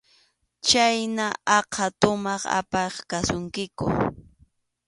Chhayna aqha tumaq apaq kasunkiku.